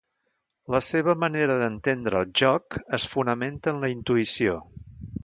La seva manera d'entendre el joc es fonamenta en la intuïció.